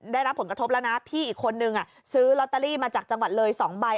ได้รับผลกระทบแล้วนะพี่อีกคนนึงซื้อลอตเตอรี่มาจากจังหวัดเลย๒ใบ